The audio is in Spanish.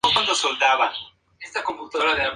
La fecha exacta de construcción sigue siendo disputada.